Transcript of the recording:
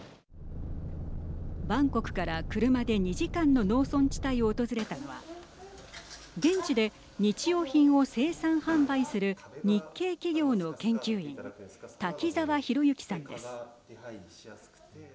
バンコクから車で２時間の農村地帯を訪れたのは現地で日用品を生産販売する日系企業の研究員瀧澤浩之さんです。